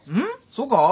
そうか？